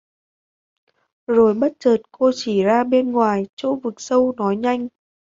Rồi bất chợt Cô chỉ ra bên ngoài chỗ vực sâu nói nhanh